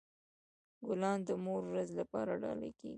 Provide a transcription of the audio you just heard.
ګلان د مور ورځ لپاره ډالۍ کیږي.